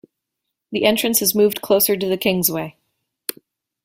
The entrance has moved closer to the Kingsway.